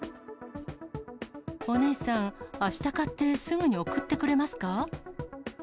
お姉さん、あした買って、すぐに送ってくれますか？